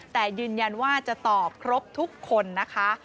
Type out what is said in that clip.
แต่ยืนยันว่าจะตอบครบทุกคนนะคะ